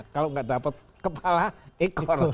kalau nggak dapat kepala ekor